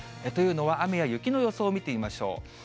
というのは、雨や雪の予想を見てみましょう。